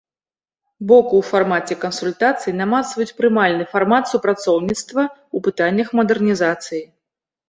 Боку ў фармаце кансультацый намацваюць прымальны фармат супрацоўніцтва ў пытаннях мадэрнізацыі.